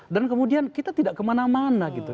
dan kemudian kita tidak kemana mana gitu